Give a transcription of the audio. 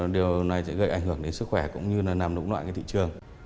điều này sẽ gây ảnh hưởng đến sức khỏe cũng như là nằm đúng loại cái thị trường